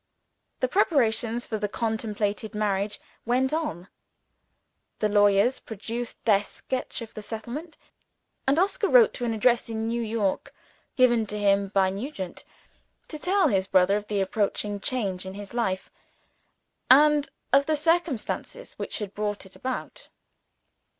The preparations for the contemplated marriage went on. The lawyers produced their sketch of the settlement; and Oscar wrote (to an address in New York, given to him by Nugent) to tell his brother of the approaching change in his life, and of the circumstances which had brought it about.